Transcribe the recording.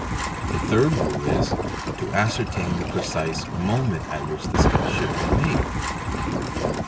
The third rule is, to ascertain the precise moment at which the sketch should be made.